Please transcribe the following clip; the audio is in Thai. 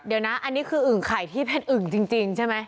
เดี๋ยวนะอันนี้คืออึ่งไข่ที่เป็นอึ่งจริงใช่ไหม